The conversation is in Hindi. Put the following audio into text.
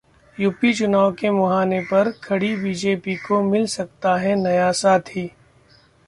यूपी चुनाव के मुहाने पर खड़ी बीजेपी को मिल सकता है नया साथी